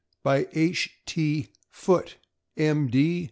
BY H. T. FOOTE, M.